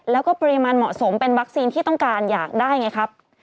แล้วก็ปริมาณเหมาะสมเป็นวัคซีนที่ต้องการอยากได้ไงครับ